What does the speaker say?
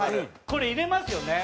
これ入れますよね。